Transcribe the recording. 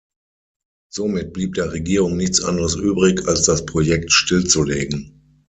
Somit blieb der Regierung nichts anderes übrig, als das Projekt stillzulegen.